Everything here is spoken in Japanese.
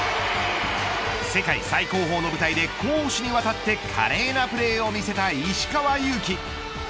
世界最高峰の舞台で攻守にわたって華麗なプレーを見せた石川祐希。